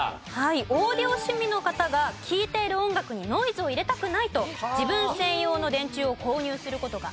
オーディオ趣味の方が聴いている音楽にノイズを入れたくないと自分専用の電柱を購入する事があるそうです。